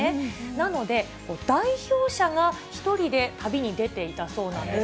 なので、代表者が１人で旅に出ていたそうなんです。